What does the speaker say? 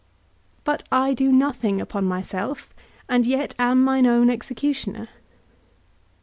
But I do nothing upon myself, and yet am mine own executioner.